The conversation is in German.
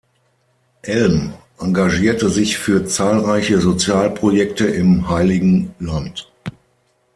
Elm engagierte sich für zahlreiche Sozialprojekte im Heiligen Land.